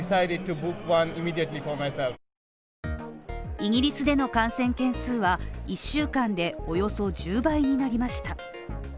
イギリスでの感染件数は１週間でおよそ１０倍になりました。